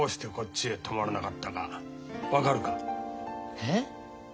えっ？